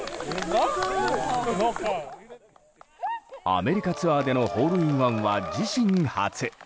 アメリカツアーでのホールインワンは自身初。